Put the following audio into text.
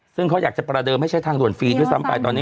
ซึ่งเขาอยากจะประเดิมให้ใช้ทางด่วนฟรีด้วยซ้ำไปตอนนี้